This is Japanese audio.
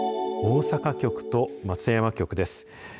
大阪局と松山局です。